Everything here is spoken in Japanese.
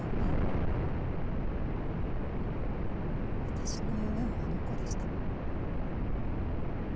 私の夢はあの子でした。